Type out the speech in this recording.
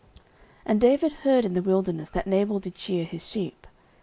09:025:004 And David heard in the wilderness that Nabal did shear his sheep.